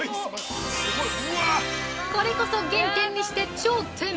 これこそ原点にして頂点！